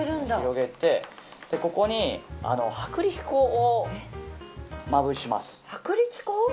ここに薄力粉をまぶします。